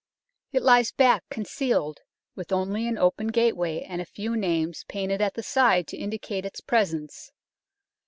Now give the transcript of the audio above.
It lies back concealed, with only an open gateway and a few names painted at the side to indicate its presence.